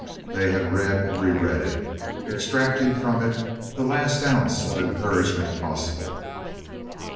They had read and re read it, extracting from it the last ounce of encouragement possible.